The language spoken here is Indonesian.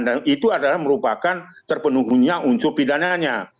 dan itu adalah merupakan terpenuhnya unsur pidananya